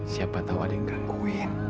siapa tahu ada yang ngakuin